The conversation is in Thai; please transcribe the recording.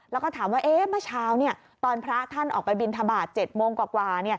แล้วก็ถามว่าเมื่อเช้าตอนพระท่านออกไปบินทบาท๗โมงกว่า